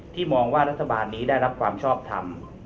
มองว่ารัฐบาลนี้ได้รับความชอบทำ